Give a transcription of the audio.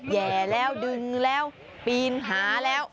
แห่แล้วดึงแล้วปีนหาแล้ว